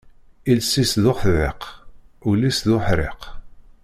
Iles-is d uḥdiq, ul-is d uḥriq.